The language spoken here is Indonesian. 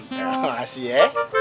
terima kasih ya